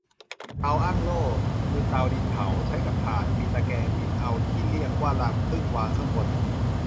เตาอั้งโล่ คือเตาดินเผา ใช้กับถ่าน มีตะแกรงดินเอาที่เรียกว่ารังผึ้ง วางข้างบน